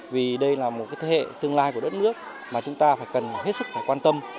vì đây là một thế hệ tương lai của đất nước mà chúng ta phải cần hết sức phải quan tâm